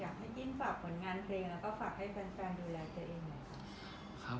อยากให้จิ้นฝากผลงานเพลงแล้วก็ฝากให้แฟนดูแลเจอเองนะครับ